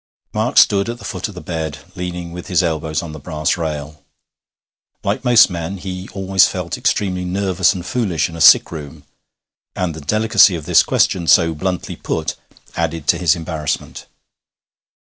Mark stood at the foot of the bed, leaning with his elbows on the brass rail. Like most men, he always felt extremely nervous and foolish in a sick room, and the delicacy of this question, so bluntly put, added to his embarrassment.